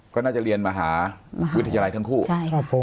ก็น่าจะเรียนมหาวิทยาลัยทั้งคู่ใช่ครับผม